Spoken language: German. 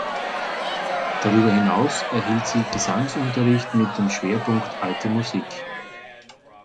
Darüber hinaus erhielt sie Gesangsunterricht mit dem Schwerpunkt Alte Musik.